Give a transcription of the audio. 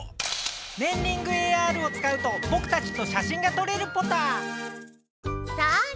「ねんリングＡＲ」をつかうとぼくたちとしゃしんがとれるポタ。